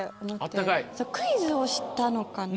クイズをしたのかな。